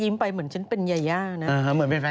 ไม่เอานะ